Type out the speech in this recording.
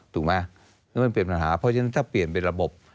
ถูกไหมแล้วมันเป็นปัญหาเพราะฉะนั้นถ้าเปลี่ยนเป็นระบบ